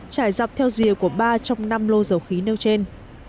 trải dọc theo rìa của ba trong năm lô dầu khí nêu trên